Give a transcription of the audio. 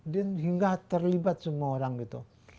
dan hingga terlibat semua orang gitu